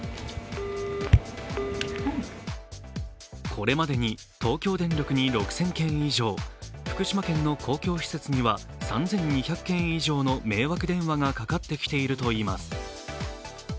これまでに、東京電力に６０００件以上、福島県の公共施設には３２００件以上の迷惑電話がかかってきているといいます。